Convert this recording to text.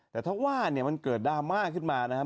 แต่ถ้าว่าเนี่ยมันเกิดดราม่าขึ้นมานะครับ